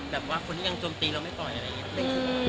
แบบว่าคนที่ยังจมตีแล้วไม่ปล่อยอะไรอย่างนี้